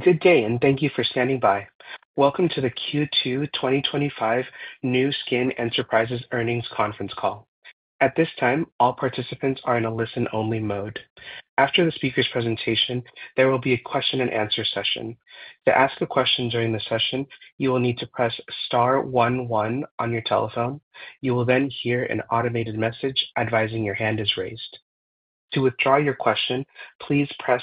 Good day, and thank you for standing by. Welcome to the Q2 2025 Nu Skin Enterprises Earnings Conference Call. At this time, all participants are in a listen-only mode. After the speaker's presentation, there will be a question and answer session. To ask a question during the session, you will need to press *11 on your telephone. You will then hear an automated message advising your hand is raised. To withdraw your question, please press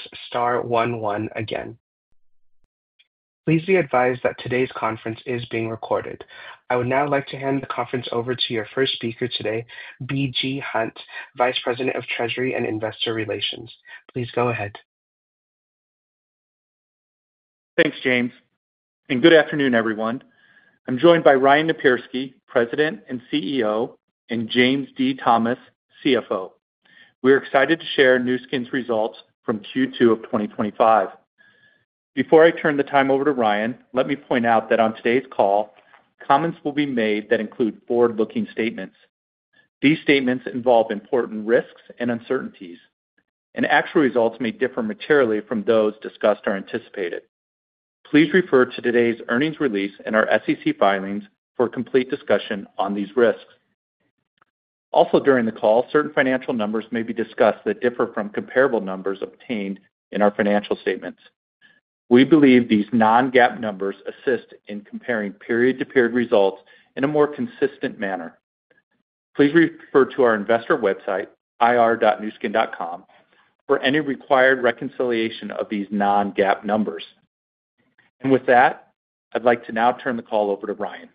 *11 again. Please be advised that today's conference is being recorded. I would now like to hand the conference over to your first speaker today, B.G. Hunt, Vice President of Treasury and Investor Relations. Please go ahead. Thanks, James, and good afternoon, everyone. I'm joined by Ryan Napierski, President and CEO, and James D. Thomas, CFO. We're excited to share Nu Skin Enterprises' results from Q2 of 2025. Before I turn the time over to Ryan, let me point out that on today's call, comments will be made that include forward-looking statements. These statements involve important risks and uncertainties, and actual results may differ materially from those discussed or anticipated. Please refer to today's earnings release and our SEC filings for a complete discussion on these risks. Also, during the call, certain financial numbers may be discussed that differ from comparable numbers obtained in our financial statements. We believe these non-GAAP numbers assist in comparing period-to-period results in a more consistent manner. Please refer to our investor website, ir.nu-skin.com, for any required reconciliation of these non-GAAP numbers. With that, I'd like to now turn the call over to Ryan.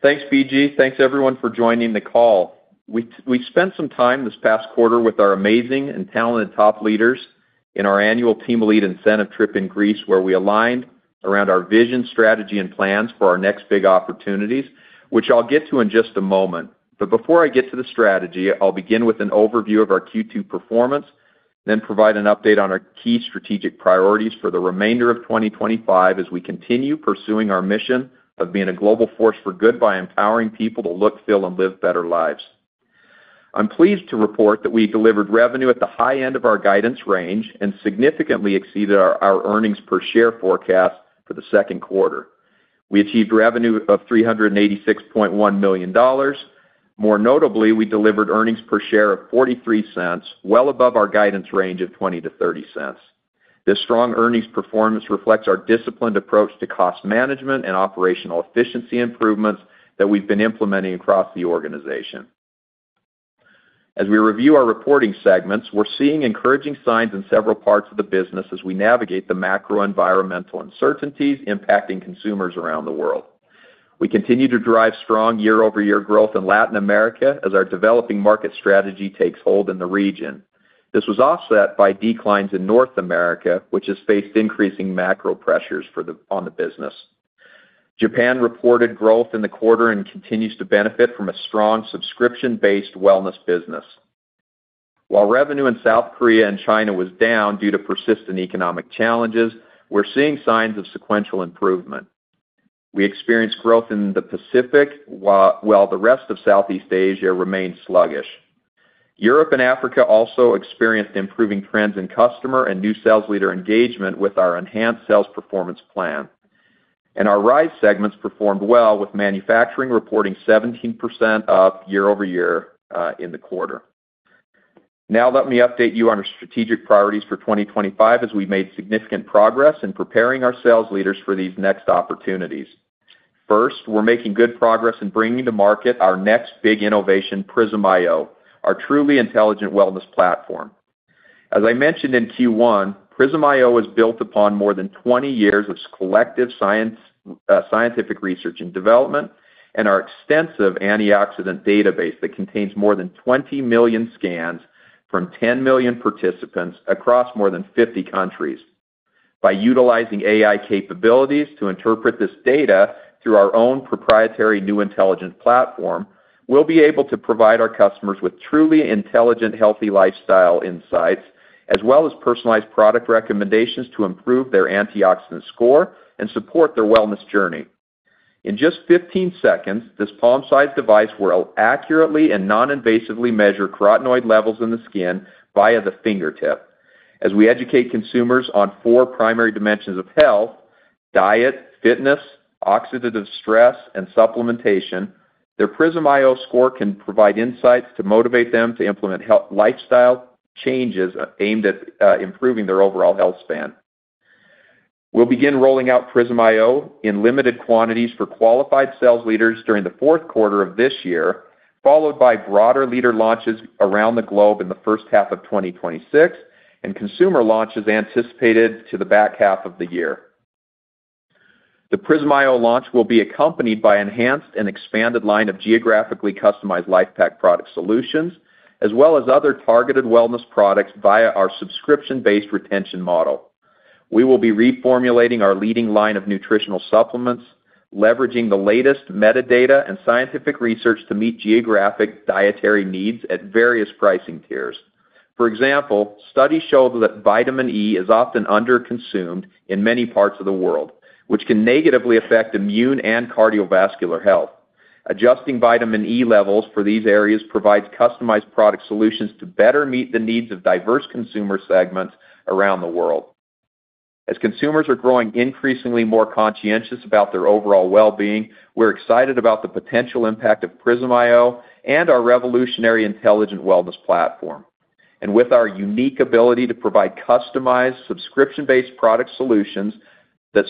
Thanks, B.G. Thanks, everyone, for joining the call. We spent some time this past quarter with our amazing and talented top leaders in our Annual Team Lead Incentive trip in Greece, where we aligned around our vision, strategy, and plans for our next big opportunities, which I'll get to in just a moment. Before I get to the strategy, I'll begin with an overview of our Q2 performance and then provide an update on our key strategic priorities for the remainder of 2025 as we continue pursuing our mission of being a global force for good by empowering people to look, feel, and live better lives. I'm pleased to report that we delivered revenue at the high end of our guidance range and significantly exceeded our earnings per share forecast for the second quarter. We achieved revenue of $386.1 million. More notably, we delivered earnings per share of $0.43, well above our guidance range of $0.20-$0.30. This strong earnings performance reflects our disciplined approach to cost management and operational efficiency improvements that we've been implementing across the organization. As we review our reporting segments, we're seeing encouraging signs in several parts of the business as we navigate the macro environmental uncertainties impacting consumers around the world. We continue to drive strong year-over-year growth in Latin America as our developing market strategy takes hold in the region. This was offset by declines in North America, which has faced increasing macro pressures on the business. Japan reported growth in the quarter and continues to benefit from a strong subscription-based wellness business. While revenue in South Korea and China was down due to persistent economic challenges, we're seeing signs of sequential improvement. We experienced growth in the Pacific, while the rest of Southeast Asia remained sluggish. Europe and Africa also experienced improving trends in customer and new sales leader engagement with our enhanced sales performance plan. Our Rhyz segments performed well, with manufacturing reporting 17% up year-over-year in the quarter. Now, let me update you on our strategic priorities for 2025 as we've made significant progress in preparing our sales leaders for these next opportunities. First, we're making good progress in bringing to market our next big innovation, Prysm iO, our truly intelligent wellness platform. As I mentioned in Q1, Prysm iO is built upon more than 20 years of collective scientific research and development and our extensive antioxidant database that contains more than 20 million scans from 10 million participants across more than 50 countries. By utilizing AI capabilities to interpret this data through our own proprietary new intelligent platform, we'll be able to provide our customers with truly intelligent, healthy lifestyle insights, as well as personalized product recommendations to improve their antioxidant score and support their wellness journey. In just 15 seconds, this palm-sized device will accurately and non-invasively measure carotenoid levels in the skin via the fingertip. As we educate consumers on four primary dimensions of health: diet, fitness, oxidative stress, and supplementation, their Prysm iO score can provide insights to motivate them to implement lifestyle changes aimed at improving their overall health span. We'll begin rolling out Prysm iO in limited quantities for qualified sales leaders during the fourth quarter of this year, followed by broader leader launches around the globe in the first half of 2026 and consumer launches anticipated to the back half of the year. The Prysm iO launch will be accompanied by an enhanced and expanded line of geographically customized LifePak product solutions, as well as other targeted wellness products via our subscription-based retention model. We will be reformulating our leading line of nutritional supplements, leveraging the latest metadata and scientific research to meet geographic dietary needs at various pricing tiers. For example, studies show that vitamin E is often underconsumed in many parts of the world, which can negatively affect immune and cardiovascular health. Adjusting vitamin E levels for these areas provides customized product solutions to better meet the needs of diverse consumer segments around the world. As consumers are growing increasingly more conscientious about their overall well-being, we're excited about the potential impact of Prysm iO and our revolutionary intelligent wellness platform. With our unique ability to provide customized subscription-based product solutions that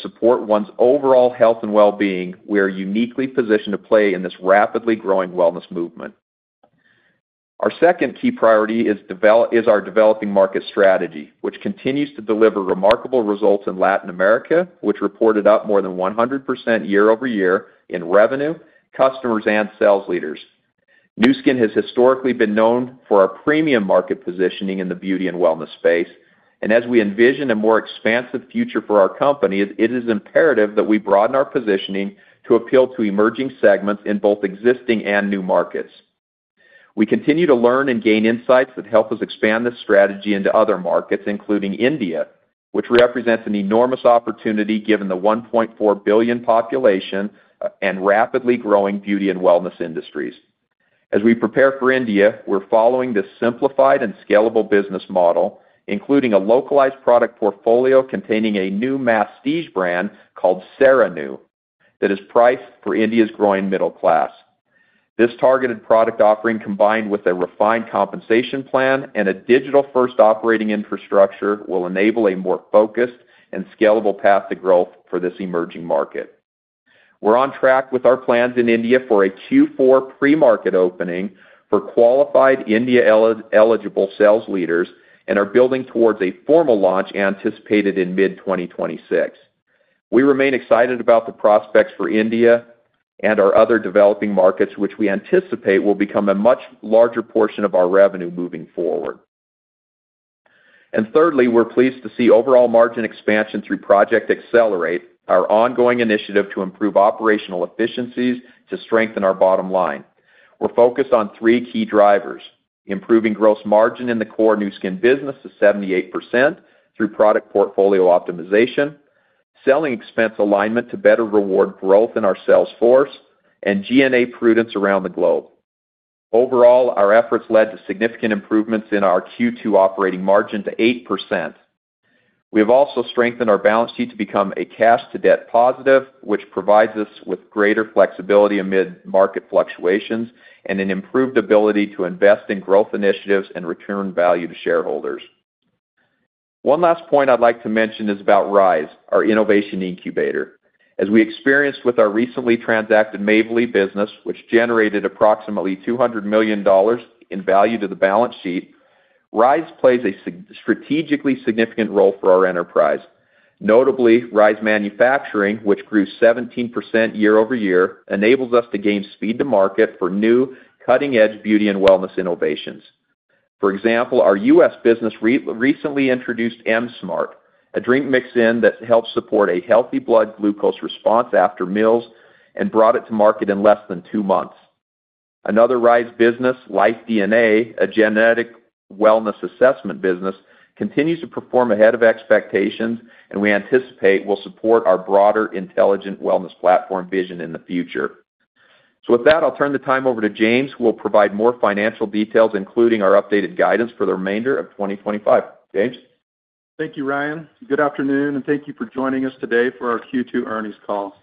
support one's overall health and well-being, we are uniquely positioned to play in this rapidly growing wellness movement. Our second key priority is our developing market strategy, which continues to deliver remarkable results in Latin America, which reported up more than 100% year-over-year in revenue, customers, and sales leaders. Nu Skin has historically been known for our premium market positioning in the beauty and wellness space, and as we envision a more expansive future for our company, it is imperative that we broaden our positioning to appeal to emerging segments in both existing and new markets. We continue to learn and gain insights that help us expand this strategy into other markets, including India, which represents an enormous opportunity given the 1.4 billion population and rapidly growing beauty and wellness industries. As we prepare for India, we're following this simplified and scalable business model, including a localized product portfolio containing a new masstige brand, called SeraNu, that is priced for India's growing middle class. This targeted product offering, combined with a refined compensation plan and a digital-first operating infrastructure, will enable a more focused and scalable path to growth for this emerging market. We're on track with our plans in India for a Q4 pre-market opening for qualified India-eligible sales leaders and are building towards a formal launch anticipated in mid-2026. We remain excited about the prospects for India and our other developing markets, which we anticipate will become a much larger portion of our revenue moving forward. Thirdly, we're pleased to see overall margin expansion through Project Accelerate, our ongoing initiative to improve operational efficiencies to strengthen our bottom line. We're focused on three key drivers: improving gross margin in the core Nu Skin Enterprises business to 78% through product portfolio optimization, selling expense alignment to better reward growth in our sales force, and G&A prudence around the globe. Overall, our efforts led to significant improvements in our Q2 operating margin to 8%. We have also strengthened our balance sheet to become a cash to debt positive, which provides us with greater flexibility amid market fluctuations and an improved ability to invest in growth initiatives and return value to shareholders. One last point I'd like to mention is about Rhyz, our innovation incubator. As we experienced with our recently transacted Mavely business, which generated approximately $200 million in value to the balance sheet, Rhyz plays a strategically significant role for our enterprise. Notably, Rhyz Manufacturing, which grew 17% year-over-year, enables us to gain speed to market for new cutting-edge beauty and wellness innovations. For example, our U.S. business recently introduced M-Smart, a drink mix-in that helps support a healthy blood glucose response after meals and brought it to market in less than two months. Another Rhyz business, LifeDNA, a genetic wellness assessment business, continues to perform ahead of expectations, and we anticipate will support our broader intelligent wellness platform vision in the future. I'll turn the time over to James, who will provide more financial details, including our updated guidance for the remainder of 2025. James? Thank you, Ryan. Good afternoon, and thank you for joining us today for our Q2 earnings call.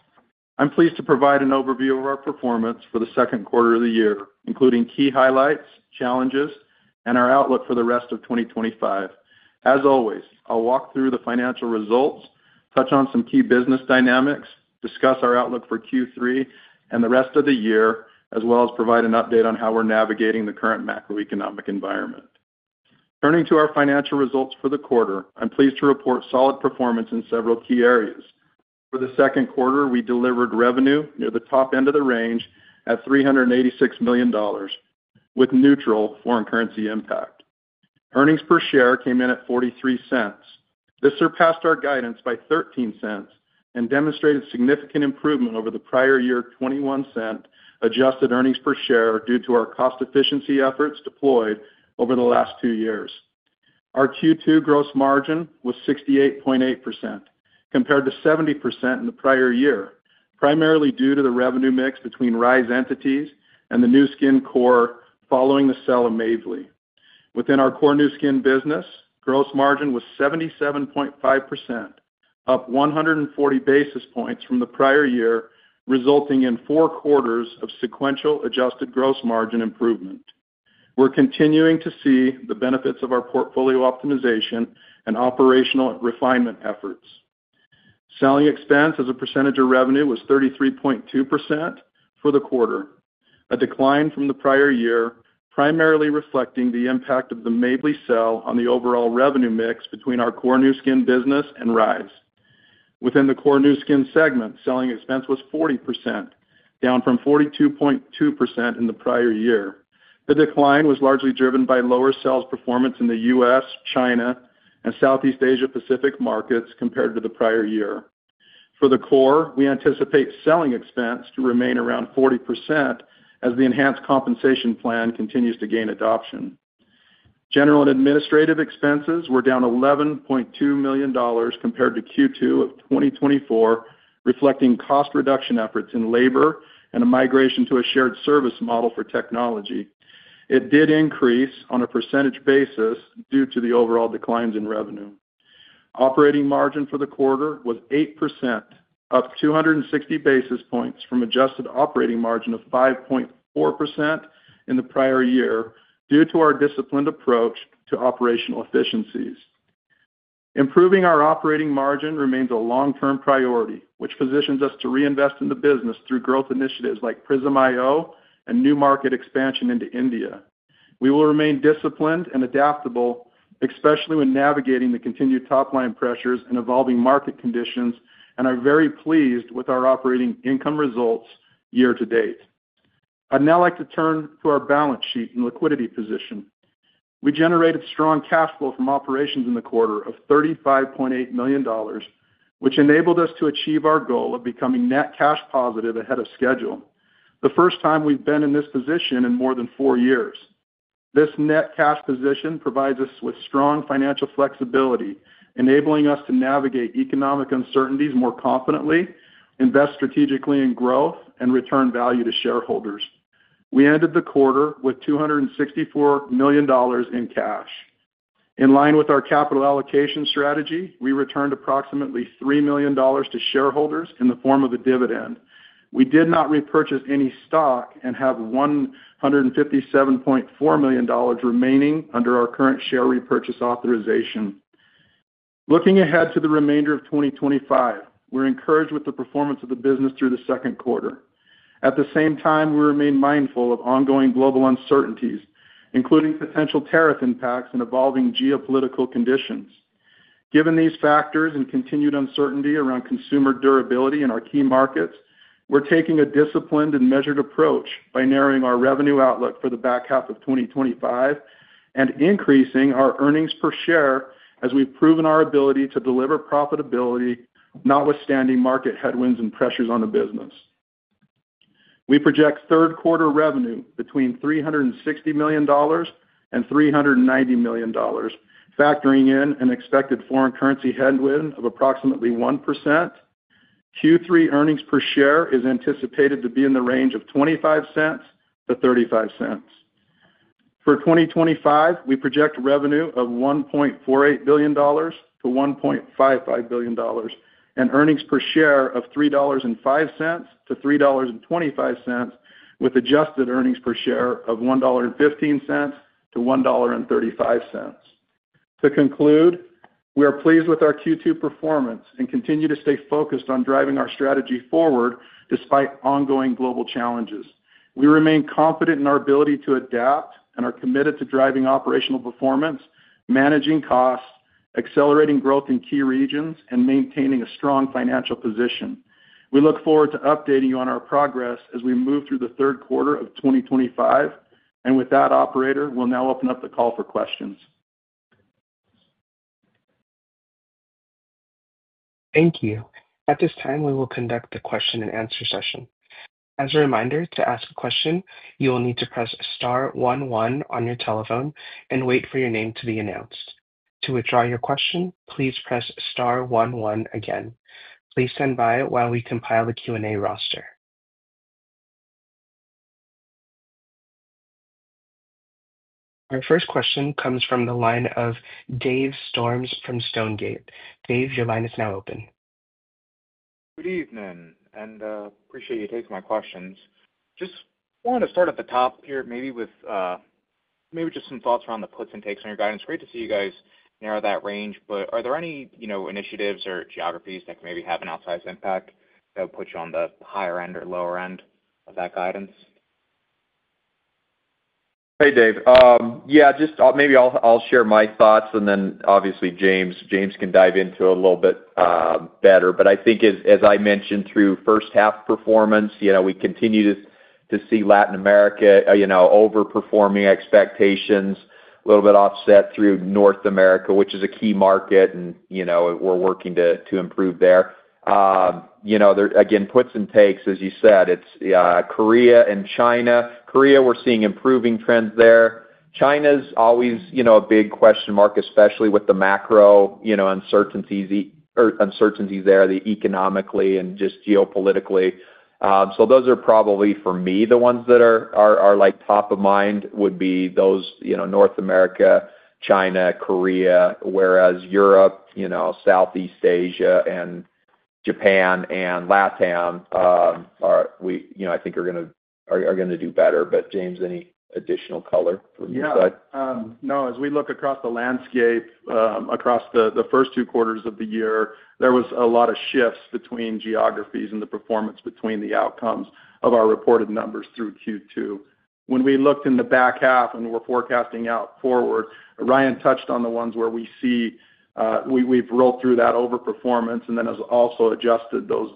I'm pleased to provide an overview of our performance for the second quarter of the year, including key highlights, challenges, and our outlook for the rest of 2025. As always, I'll walk through the financial results, touch on some key business dynamics, discuss our outlook for Q3 and the rest of the year, as well as provide an update on how we're navigating the current macroeconomic environment. Turning to our financial results for the quarter, I'm pleased to report solid performance in several key areas. For the second quarter, we delivered revenue near the top end of the range at $386 million, with neutral foreign currency impact. Earnings per share came in at $0.43. This surpassed our guidance by $0.13 and demonstrated significant improvement over the prior year's $0.21 adjusted earnings per share due to our cost efficiency efforts deployed over the last two years. Our Q2 gross margin was 68.8%, compared to 70% in the prior year, primarily due to the revenue mix between Rhyz entities and the Nu Skin core following the sale of Mavely. Within our core Nu Skin business, gross margin was 77.5%, up 140 basis points from the prior year, resulting in four quarters of sequential adjusted gross margin improvement. We're continuing to see the benefits of our portfolio optimization and operational refinement efforts. Selling expense as a percentage of revenue was 33.2% for the quarter, a decline from the prior year, primarily reflecting the impact of the Mavely sale on the overall revenue mix between our core Nu Skin business and Rhyz. Within the core Nu Skin segment, selling expense was 40%, down from 42.2% in the prior year. The decline was largely driven by lower sales performance in the U.S., China, and Southeast Asia Pacific markets compared to the prior year. For the core, we anticipate selling expense to remain around 40% as the enhanced compensation plan continues to gain adoption. General and administrative expenses were down $11.2 million compared to Q2 of 2024, reflecting cost reduction efforts in labor and a migration to a shared service model for technology. It did increase on a percentage basis due to the overall declines in revenue. Operating margin for the quarter was 8%, up 260 basis points from an adjusted operating margin of 5.4% in the prior year due to our disciplined approach to operational efficiencies. Improving our operating margin remains a long-term priority, which positions us to reinvest in the business through growth initiatives like Prysm iO and new market expansion into India. We will remain disciplined and adaptable, especially when navigating the continued top-line pressures and evolving market conditions, and are very pleased with our operating income results year to date. I'd now like to turn to our balance sheet and liquidity position. We generated strong cash flow from operations in the quarter of $35.8 million, which enabled us to achieve our goal of becoming net cash positive ahead of schedule, the first time we've been in this position in more than four years. This net cash position provides us with strong financial flexibility, enabling us to navigate economic uncertainties more confidently, invest strategically in growth, and return value to shareholders. We ended the quarter with $264 million in cash. In line with our capital allocation strategy, we returned approximately $3 million to shareholders in the form of a dividend. We did not repurchase any stock and have $157.4 million remaining under our current share repurchase authorization. Looking ahead to the remainder of 2025, we're encouraged with the performance of the business through the second quarter. At the same time, we remain mindful of ongoing global uncertainties, including potential tariff impacts and evolving geopolitical conditions. Given these factors and continued uncertainty around consumer durability in our key markets, we're taking a disciplined and measured approach by narrowing our revenue outlook for the back half of 2025 and increasing our earnings per share as we've proven our ability to deliver profitability, notwithstanding market headwinds and pressures on the business. We project third-quarter revenue between $360 million and $390 million, factoring in an expected foreign currency headwind of approximately 1%. Q3 earnings per share is anticipated to be in the range of $0.25-$0.35. For 2025, we project revenue of $1.48 billion to $1.55 billion and earnings per share of $3.05-$3.25, with adjusted earnings per share of $1.15-$1.35. To conclude, we are pleased with our Q2 performance and continue to stay focused on driving our strategy forward despite ongoing global challenges. We remain confident in our ability to adapt and are committed to driving operational performance, managing costs, accelerating growth in key regions, and maintaining a strong financial position. We look forward to updating you on our progress as we move through the third quarter of 2025. With that, operator, we'll now open up the call for questions. Thank you. At this time, we will conduct the question-and-answer session. As a reminder, to ask a question, you will need to press *11 on your telephone and wait for your name to be announced. To withdraw your question, please press *11 again. Please stand by while we compile the Q&A roster. Our first question comes from the line of Dave Storms from Stonegate. Dave, your line is now open. Good evening and appreciate you taking my questions. Just wanted to start at the top here, maybe with some thoughts around the puts and takes on your guidance. Great to see you guys narrow that range, but are there any initiatives or geographies that could have an outsized impact that would put you on the higher end or lower end of that guidance? Hey, Dave. Maybe I'll share my thoughts and then obviously James can dive into it a little bit better. I think, as I mentioned, through first half performance, we continue to see Latin America overperforming expectations, a little bit offset through North America, which is a key market, and we're working to improve there. Again, puts and takes, as you said, it's South Korea and China. South Korea, we're seeing improving trends there. China's always a big question mark, especially with the macro uncertainties there, economically and just geopolitically. Those are probably, for me, the ones that are top of mind, North America, China, South Korea, whereas Europe, Southeast Asia, Japan, and LatAm, I think are going to do better. James, any additional color from your side? Yeah. No, as we look across the landscape, across the first two quarters of the year, there were a lot of shifts between geographies and the performance between the outcomes of our reported numbers through Q2. When we looked in the back half and were forecasting out forward, Ryan touched on the ones where we've rolled through that overperformance and has also adjusted those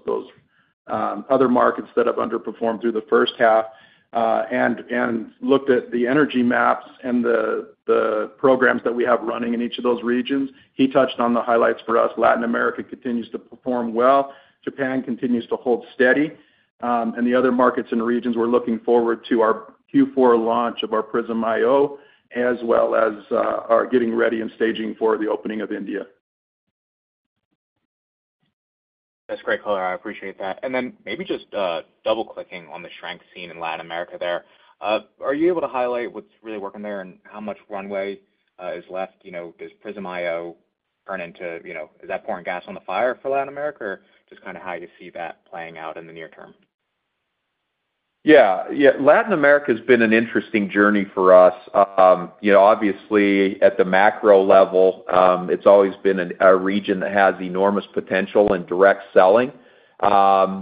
other markets that have underperformed through the first half and looked at the energy maps and the programs that we have running in each of those regions. He touched on the highlights for us. Latin America continues to perform well. Japan continues to hold steady. The other markets and regions we're looking forward to our Q4 launch of our Prysm iO, as well as getting ready and staging for the opening of India. That's a great call. I appreciate that. Maybe just double-clicking on the strength seen in Latin America there, are you able to highlight what's really working there and how much runway is left? Does Prysm iO turn into, you know, is that pouring gas on the fire for Latin America or just kind of how you see that playing out in the near term? Yeah, yeah, Latin America has been an interesting journey for us. Obviously, at the macro level, it's always been a region that has enormous potential in direct selling. For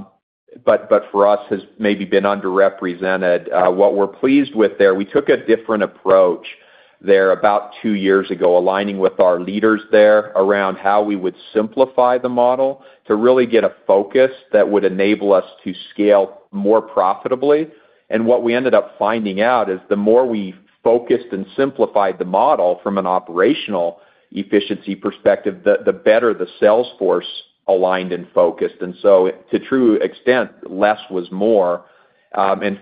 us, it has maybe been underrepresented. What we're pleased with there, we took a different approach there about two years ago, aligning with our leaders there around how we would simplify the model to really get a focus that would enable us to scale more profitably. What we ended up finding out is the more we focused and simplified the model from an operational efficiency perspective, the better the sales force aligned and focused. To a true extent, less was more.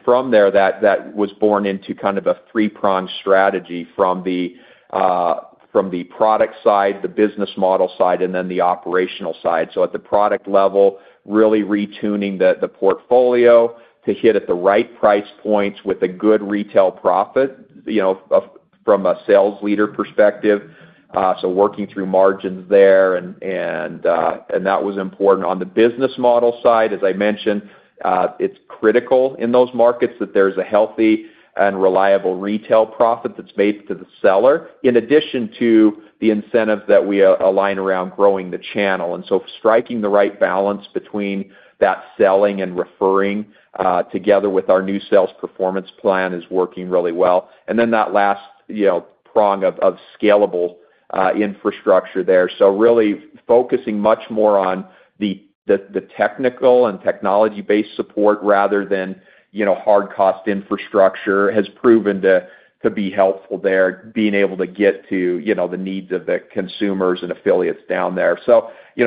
From there, that was born into kind of a three-prong strategy from the product side, the business model side, and then the operational side. At the product level, really retuning the portfolio to hit at the right price points with a good retail profit from a sales leader perspective. Working through margins there, and that was important. On the business model side, as I mentioned, it's critical in those markets that there's a healthy and reliable retail profit that's made to the seller in addition to the incentives that we align around growing the channel. Striking the right balance between that selling and referring together with our new sales performance plan is working really well. That last prong of scalable infrastructure there, really focusing much more on the technical and technology-based support rather than hard cost infrastructure, has proven to be helpful there, being able to get to the needs of the consumers and affiliates down there.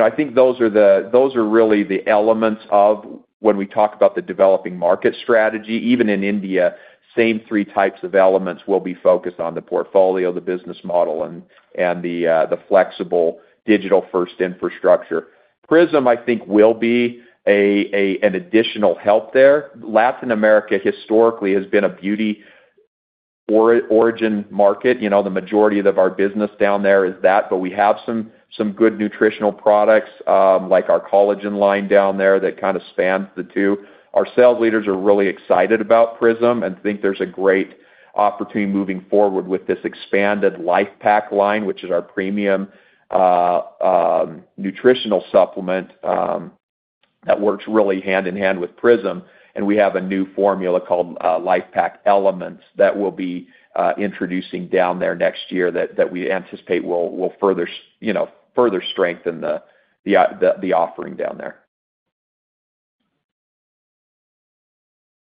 I think those are really the elements of when we talk about the developing market strategy. Even in India, the same three types of elements will be focused on: the portfolio, the business model, and the flexible digital-first infrastructure. Prysm, I think, will be an additional help there. Latin America historically has been a beauty origin market. The majority of our business down there is that, but we have some good nutritional products like our collagen line down there that kind of spans the two. Our sales leaders are really excited about Prysm and think there's a great opportunity moving forward with this expanded LifePak line, which is our premium nutritional supplement that works really hand in hand with Prysm. We have a new formula called LifePak Elements that we'll be introducing down there next year that we anticipate will further strengthen the offering down there.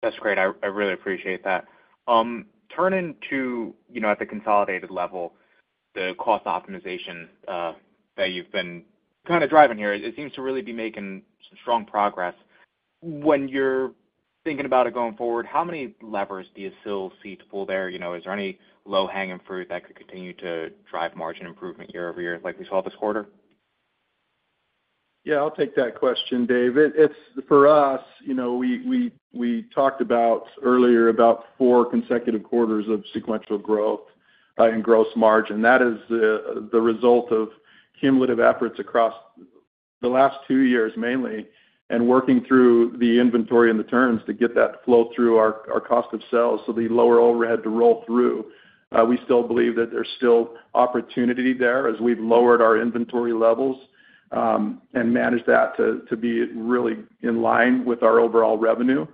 That's great. I really appreciate that. Turning to, at the consolidated level, the cost optimization that you've been kind of driving here, it seems to really be making some strong progress. When you're thinking about it going forward, how many levers do you still see to pull there? Is there any low-hanging fruit that could continue to drive margin improvement year over year like we saw this quarter? Yeah, I'll take that question, Dave. For us, we talked earlier about four consecutive quarters of sequential growth in gross margin. That is the result of cumulative efforts across the last two years mainly and working through the inventory and the terms to get that flow through our cost of sales, so the lower overhead to roll through. We still believe that there's still opportunity there as we've lowered our inventory levels and managed that to be really in line with our overall revenue.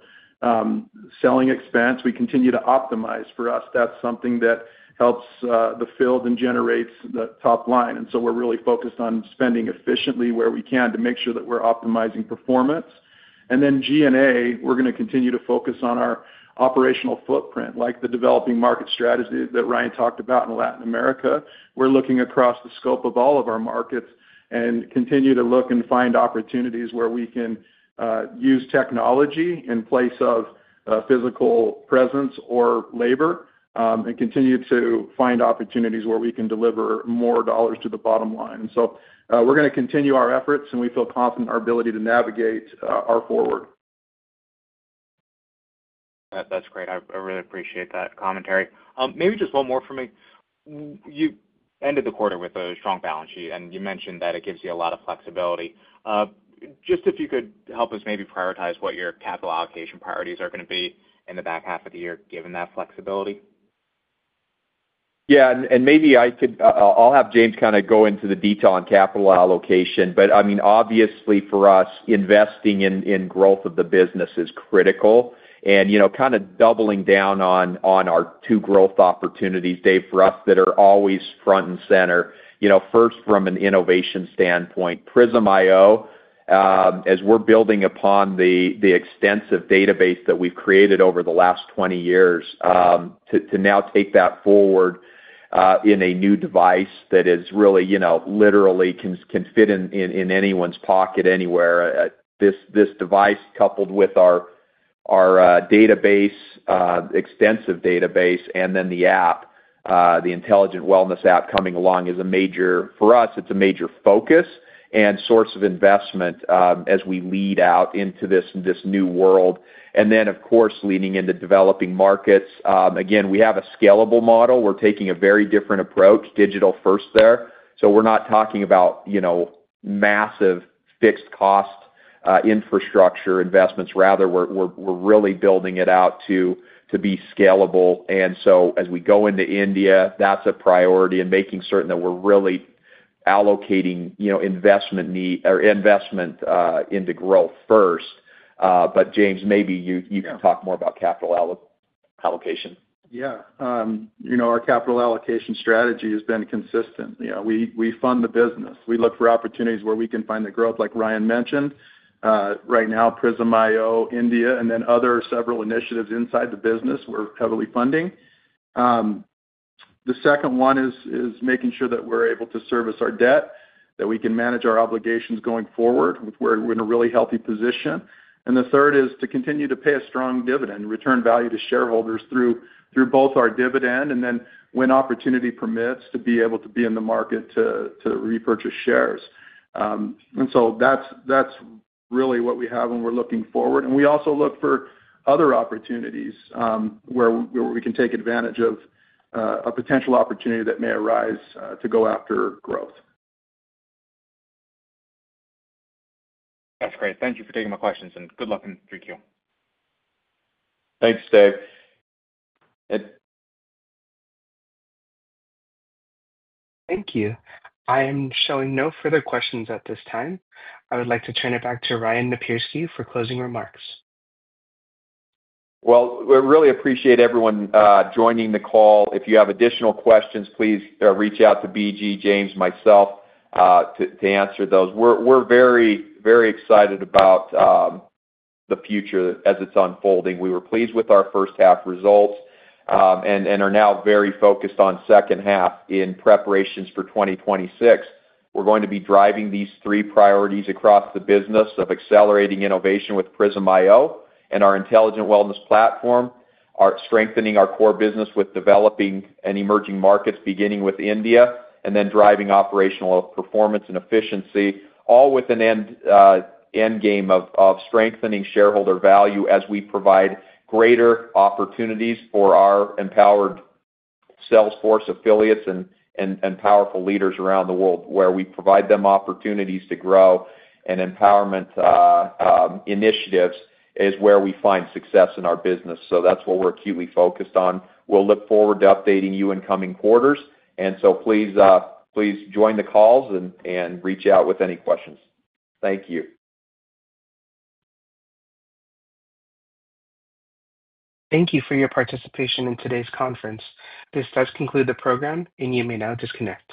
Selling expense, we continue to optimize. For us, that's something that helps the field and generates the top line. We're really focused on spending efficiently where we can to make sure that we're optimizing performance. G&A, we're going to continue to focus on our operational footprint, like the developing market strategy that Ryan talked about in Latin America. We're looking across the scope of all of our markets and continue to look and find opportunities where we can use technology in place of physical presence or labor and continue to find opportunities where we can deliver more dollars to the bottom line. We're going to continue our efforts, and we feel confident in our ability to navigate our forward. That's great. I really appreciate that commentary. Maybe just one more from me. You ended the quarter with a strong balance sheet, and you mentioned that it gives you a lot of flexibility. If you could help us maybe prioritize what your capital allocation priorities are going to be in the back half of the year given that flexibility. Yeah, maybe I could, I'll have James kind of go into the detail on capital allocation. I mean, obviously, for us, investing in growth of the business is critical. You know, kind of doubling down on our two growth opportunities, Dave, for us that are always front and center. First, from an innovation standpoint, Prysm iO, as we're building upon the extensive database that we've created over the last 20 years, to now take that forward in a new device that is really, you know, literally can fit in anyone's pocket anywhere. This device, coupled with our database, extensive database, and then the app, the intelligent wellness app coming along, is a major, for us, it's a major focus and source of investment as we lead out into this new world. Of course, leading into developing markets, again, we have a scalable model. We're taking a very different approach, digital-first there. We're not talking about massive fixed cost infrastructure investments. Rather, we're really building it out to be scalable. As we go into India, that's a priority in making certain that we're really allocating, you know, investment need or investment into growth first. James, maybe you can talk more about capital allocation. Yeah. You know, our capital allocation strategy has been consistent. You know, we fund the business. We look for opportunities where we can find the growth, like Ryan mentioned. Right now, Prysm iO, India, and then other several initiatives inside the business we're heavily funding. The second one is making sure that we're able to service our debt, that we can manage our obligations going forward, where we're in a really healthy position. The third is to continue to pay a strong dividend, return value to shareholders through both our dividend and then when opportunity permits, to be able to be in the market to repurchase shares. That's really what we have when we're looking forward. We also look for other opportunities where we can take advantage of a potential opportunity that may arise to go after growth. That's great. Thank you for taking my questions, and good luck in Q3. Thanks, Dave. Thank you. I am showing no further questions at this time. I would like to turn it back to Ryan Napierski for closing remarks. We really appreciate everyone joining the call. If you have additional questions, please reach out to B.G., James, and myself to answer those. We're very, very excited about the future as it's unfolding. We were pleased with our first half results and are now very focused on the second half in preparations for 2026. We're going to be driving these three priorities across the business of accelerating innovation with Prysm iO and our intelligent wellness platform, strengthening our core business with developing and emerging markets, beginning with India, and then driving operational performance and efficiency, all with an end game of strengthening shareholder value as we provide greater opportunities for our empowered salesforce affiliates and powerful leaders around the world, where we provide them opportunities to grow and empowerment initiatives is where we find success in our business. That's what we're acutely focused on. We'll look forward to updating you in coming quarters. Please join the calls and reach out with any questions. Thank you. Thank you for your participation in today's conference. This does conclude the program, and you may now disconnect.